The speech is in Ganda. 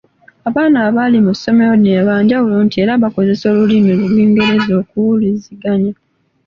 Abaana abali mu ssomero lino banjawulo nti era bakozesa olulimi Olungereza okuwuliziganya.